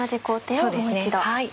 そうですね。